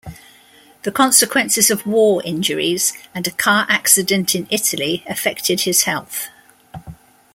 The consequences of war injuries and a car accident in Italy affected his health.